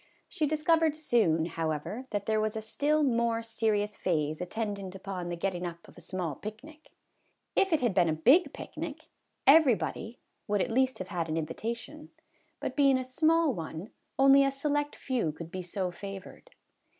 She discovered soon, however, that there was a still more serious phase attendant upon the getting up of a small picnic. If it had been a big picnic, everybody would at least have had an invi tation ; but being a small one, only a select few could be so favored.